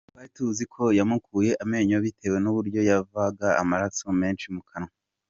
Twari tuzi ko yamukuye amenyo bitewe n’uburyo yavaga amaraso menshi mu kanwa.